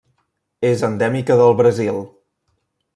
És endèmica del Brasil.